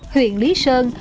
huyện lý sơn